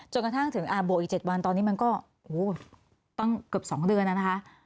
กระทั่งถึงบวกอีก๗วันตอนนี้มันก็ตั้งเกือบ๒เดือนนะคะ